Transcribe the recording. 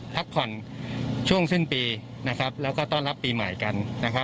พักผ่อนช่วงสิ้นปีแล้วก็ต้อนรับปีใหม่กัน